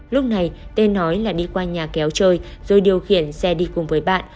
lúc này tê nói là đi qua nhà kéo chơi rồi điều khiển xe đi cùng với bạn